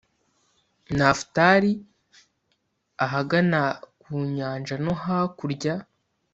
nafutali, ahagana ku nyanja no hakurya